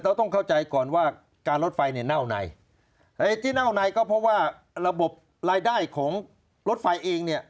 ต้องเข้าใจก่อนว่าการรถไฟเนี่ยเน่าในที่เน่าในก็เพราะว่าระบบรายได้ของรถไฟเองเนี่ย